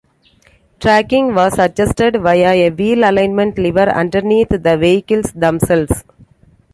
Tracking was adjusted via a wheel alignment lever underneath the vehicles themselves.